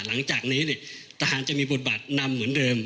หลังจากนี้ทหารจะมีบทบาทนำเหมือนเดิม